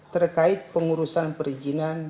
terkait pengurusan perizinan